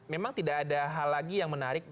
memang tidak ada hal lagi yang menarik